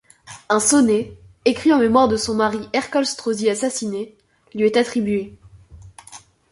Un sonnet, écrit en mémoire de son mari Ercole Strozzi assassiné, lui est attribué.